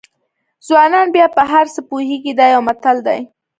ځوانان بیا په هر څه پوهېږي دا یو متل دی.